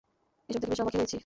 এসব দেখে বেশ অবাকই হয়েছি।